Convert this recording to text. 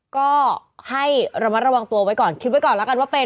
ก็ให้ระมัดระวังตัวไว้ก่อนคิดไว้ก่อนแล้วกันว่าเป็น